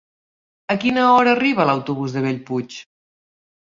A quina hora arriba l'autobús de Bellpuig?